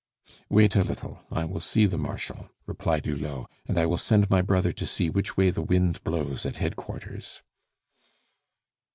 "Wait a little. I will see the Marshal," replied Hulot, "and I will send my brother to see which way the wind blows at headquarters."